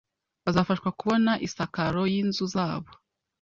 bazafashwa kubona isakaro y’inzu zabo